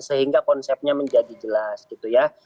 sehingga konsepnya menjadi jelas gitu ya